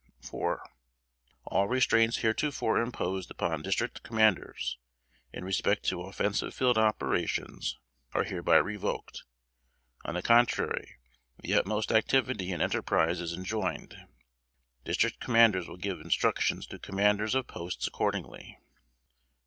"IV. All restraints heretofore imposed upon district commanders, in respect to offensive field operations, are hereby revoked; on the contrary, the utmost activity and enterprise is enjoined. District commanders will give instructions to commanders of posts accordingly.